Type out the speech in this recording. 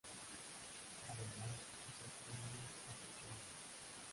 Además es astrónomo aficionado.